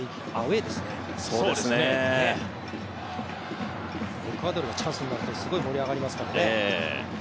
エクアドルがチャンスになると、すごい盛り上がりますからね。